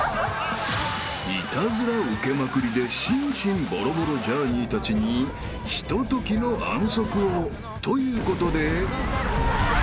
［イタズラ受けまくりで心身ボロボロジャーニーたちにひとときの安息をということで］